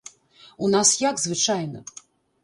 У нас як звычайна?